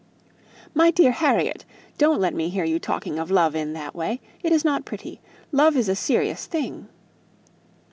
"My dear Harriet, don't let me hear you talking of love in that way; it is not pretty. Love is a serious thing."